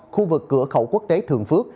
khu vực cửa khẩu quốc tế thường phước